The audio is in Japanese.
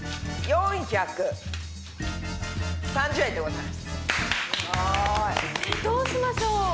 すごい。えどうしましょう？